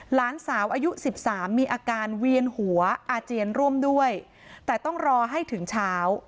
หลานสาวอายุสิบสามมีอาการเวียนหัวอาเจียนร่วมด้วยแต่ต้องรอให้ถึงเช้า